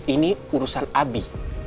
ini urusan abi